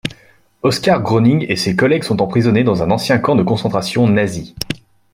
Oskar Gröning et ses collègues sont emprisonnés dans un ancien camp de concentration nazi.